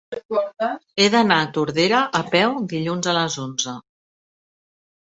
He d'anar a Tordera a peu dilluns a les onze.